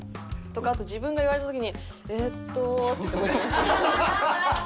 あと自分が言われてる時に「えっと」ってこうやってました。